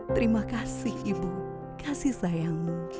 terima kasih ibu kasih sayang